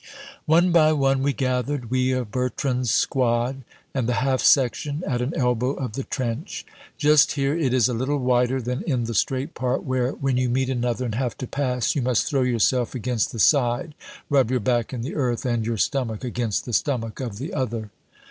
One by one we gathered, we of Bertrand's squad and the half section, at an elbow of the trench. Just here it is a little wider than in the straight part where when you meet another and have to pass you must throw yourself against the side, rub your back in the earth and your stomach against the stomach of the other.